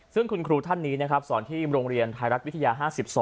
ซึ่งคุณครูท่านนี้นะครับสอนที่โรงเรียนไทยรัฐวิทยา๕๒